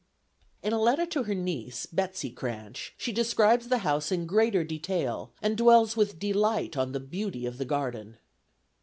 In a letter to her niece, Betsey Cranch, she describes the house in greater detail, and dwells with delight on the beauty of the garden.